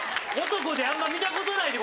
男であんま見たことないで。